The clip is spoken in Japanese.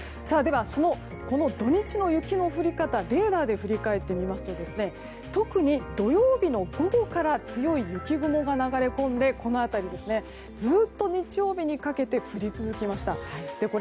では、土日の雪の降り方レーダーで振り返ってみますと特に土曜日の午後から強い雪雲が流れ込んでこの辺り、ずっと日曜日にかけて降り続きました。